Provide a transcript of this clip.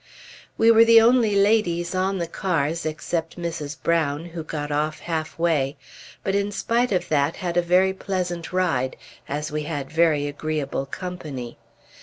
We were the only ladies on the cars, except Mrs. Brown, who got off halfway; but in spite of that, had a very pleasant ride, as we had very agreeable company.